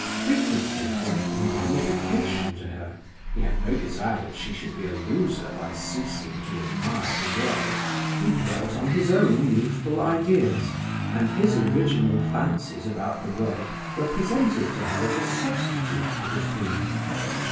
Frequently, for an indemnification to her (he had no desire that she should be a loser by ceasing to admire the world), he dwelt on his own youthful ideas; and his original fancies about the world were presented to her as a substitute for the theme.